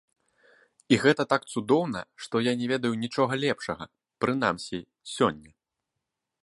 І гэта так цудоўна, што я не ведаю нічога лепшага, прынамсі, сёння.